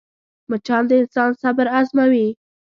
مچان د انسان صبر ازموي